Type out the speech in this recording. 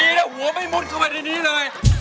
แล้วหัวไม่มุดเข้ามาในนี้เลย